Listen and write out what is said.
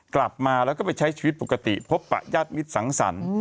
กลับมาแล้วก็ไปใช้ชีวิตปกติพบปะญาติมิตรสังสรรค์